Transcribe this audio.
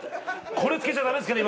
これ漬けちゃダメですかね？